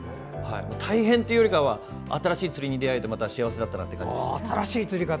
大変というよりかは新しい釣りに出会えてまた幸せだったなと。